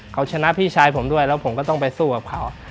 เขาชนะพี่ชายผมด้วยแล้วผมก็ต้องไปสู้กับเขา